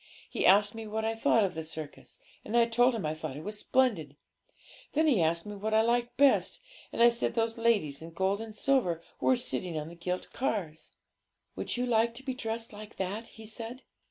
He asked me what I thought of the circus; and I told him I thought it splendid. Then he asked me what I liked best, and I said those ladies in gold and silver who were sitting on the gilt cars. '"Would you like to be dressed like that?" he said.